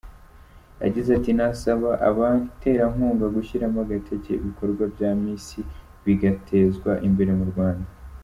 Yagize ati: “Nasaba abaterankunga gushyiramo agatege ,ibikorwa bya Miss bigatezwa imbere mu Rwanda.